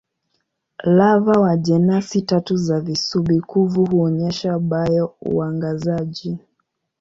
Lava wa jenasi tatu za visubi-kuvu huonyesha bio-uangazaji.